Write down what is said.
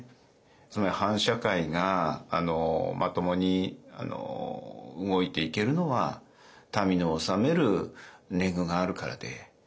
つまり藩社会がまともに動いていけるのは民の納める年貢があるからで。